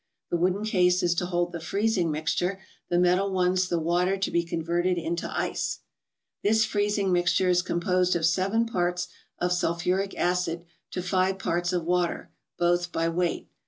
The wooden case is to hold the freezing mixture, the metal ones the water to be converted into ice. This freezing mixture is composed of 7 parts of sul¬ phuric acid, to 5 parts of water, both by weight.